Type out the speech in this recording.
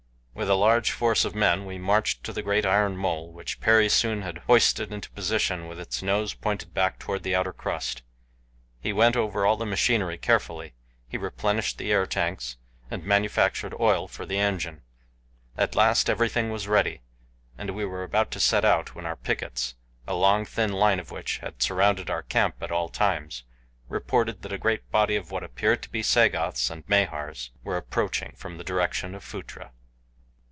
With a large force of men we marched to the great iron mole, which Perry soon had hoisted into position with its nose pointed back toward the outer crust. He went over all the machinery carefully. He replenished the air tanks, and manufactured oil for the engine. At last everything was ready, and we were about to set out when our pickets, a long, thin line of which had surrounded our camp at all times, reported that a great body of what appeared to be Sagoths and Mahars were approaching from the direction of Phutra.